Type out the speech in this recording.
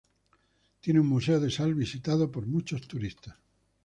Tiene un museo de sal visitado por muchos turistas.